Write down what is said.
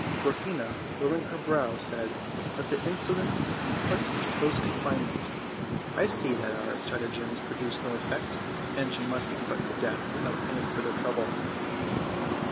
Dwarfina, lowering her brow, said: "Let the insolent be put into close confinement. I see that our stratagems produce no effect, and she must be put to death without any further trouble."